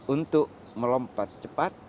untuk melompat cepat